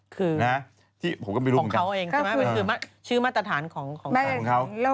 คือของเขาเองใช่ไหมชื่อมาตรฐานของเขาถือของเขา